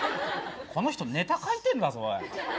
この人ネタ書いてんだぞ。